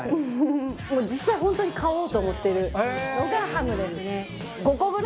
もう実際本当に買おうと思ってるのがハムですね。